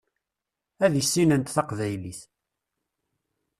Ad issinent taqbaylit.